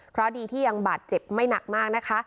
เพราะดีที่ยังบาดเจ็บไม่หนักมากนะคะ